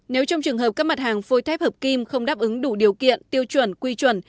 nếu trong trường hợp các mặt hàng phôi thép hợp kim không đáp ứng đủ điều kiện tiêu chuẩn quy chuẩn